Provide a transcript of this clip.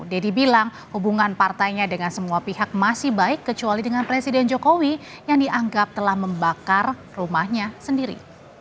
deddy bilang hubungan partainya dengan semua pihak masih baik kecuali dengan presiden jokowi yang dianggap telah membakar rumahnya sendiri